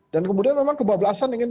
dan kemudian memang kebablasan ingin